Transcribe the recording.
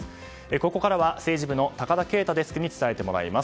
ここからは政治部の高田圭太デスクに伝えてもらいます。